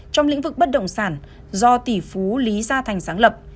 trong lĩnh vực bất động sản do tỷ phú lý gia thành sáng lập